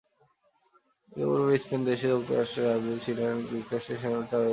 ইনি পূর্বে স্পেনদেশে যুক্তরাষ্ট্রের রাজদূত ছিলেন, এবং যুক্তরাষ্ট্রের সেনেটার হইয়াছিলেন।